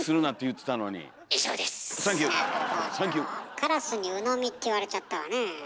カラスに鵜呑みって言われちゃったわねえ。